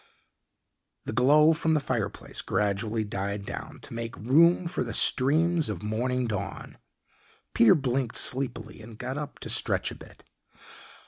The glow from the fireplace gradually died down to make room for the streams of morning dawn. Peter blinked sleepily and got up to stretch a bit.